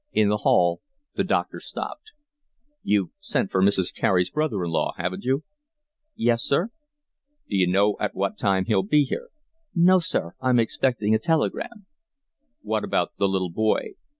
In the hall the doctor stopped. "You've sent for Mrs. Carey's brother in law, haven't you?" "Yes, sir." "D'you know at what time he'll be here?" "No, sir, I'm expecting a telegram." "What about the little boy?